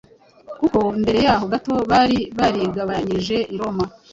kuko mbere y’aho gato, bari barigaragambije i Roma.